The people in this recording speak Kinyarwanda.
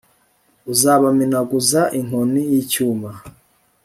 uzabamenaguza inkoni y'icyuma